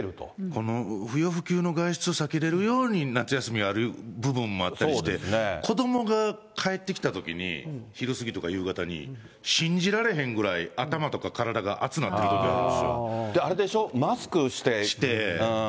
この不要不急の外出を避けれるように夏休みがある部分があったりして、子どもが帰ってきたときに、昼過ぎとか夕方に、信じられへんぐらい、頭とか体があつなってるときがあるんですよ。